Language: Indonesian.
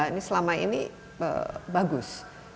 ini selama ini bagus